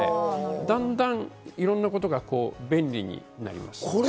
段々いろんなことが便利になります。